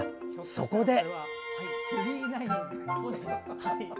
そこで。